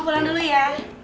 om pulang dulu ya